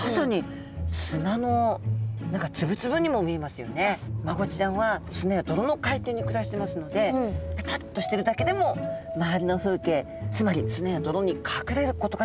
まさにマゴチちゃんは砂や泥の海底に暮らしてますのでペタッとしてるだけでも周りの風景つまり砂や泥に隠れることができるんですね。